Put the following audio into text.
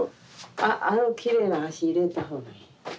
ああのきれいな足入れた方がいい。